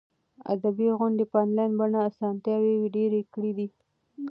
ادبي غونډې په انلاین بڼه اسانتیاوې ډېرې کړي دي.